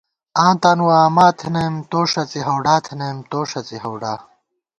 آں تانُو اما تھنَئیم، تو ݭَی ہَوڈا تھنَئیم، تو ݭَڅی ہَوڈا